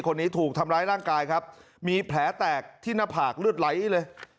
คนนี้ถูกทำร้ายร่างกายครับมีแผลแตกที่หน้าผากเลือดไหลเลย